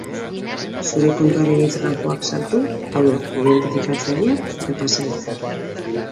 Zure kontuaren hitz-gakoak sartu, hau da, identifikatzailea eta pasahitza.